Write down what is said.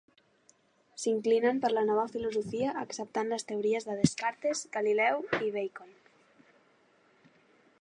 S'inclinen per la nova filosofia acceptant les teories de Descartes, Galileu i Bacon.